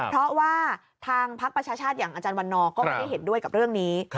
เพราะว่าทางพักประชาชาติอย่างอาจารย์วันนอร์ก็ไม่ได้เห็นด้วยกับเรื่องนี้